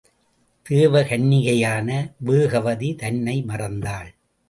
தேவ கன்னிகையான வேகவதி, தன்னை மறந்தாள்.